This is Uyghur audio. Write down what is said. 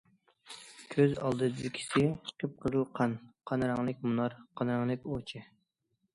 كۆز ئالدىدىكىسى- قىپقىزىل قان، قان رەڭلىك مۇنار، قان رەڭلىك ئوۋچى.